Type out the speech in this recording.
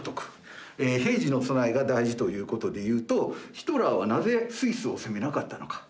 平時の備えが大事ということでいうとヒトラーはなぜスイスを攻めなかったのか。